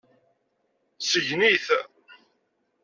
Sgen-it.